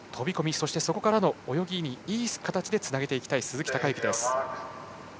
そして、そこからの泳ぎにいい形でつなげていきたい鈴木孝幸。